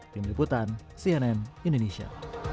tim liputan cnn indonesia